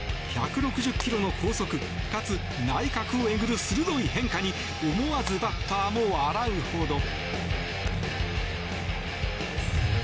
１６０キロの高速かつ内角をえぐる鋭い変化に思わずバッターも笑うほど。